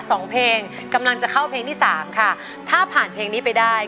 สองเพลงกำลังจะเข้าเพลงที่สามค่ะถ้าผ่านเพลงนี้ไปได้